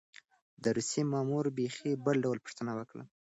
د روسيې مامور بېخي بل ډول پوښتنه وکړه.